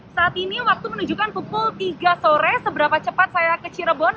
saat ini waktu menunjukkan pukul tiga sore seberapa cepat saya ke cirebon